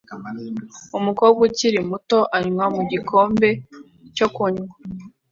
Umukobwa ukiri muto anywa mu gikombe cyo kunywa